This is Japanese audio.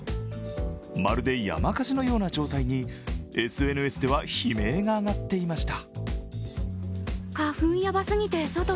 まるで山火事のような状態にＳＮＳでは悲鳴が上がっていました。